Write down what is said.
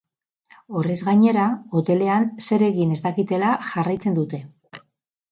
Horrez gainera, hotelean zer egin ez dakitela jarraitzen dute.